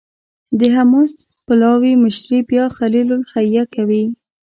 د حماس پلاوي مشري بیا خلیل الحية کوي.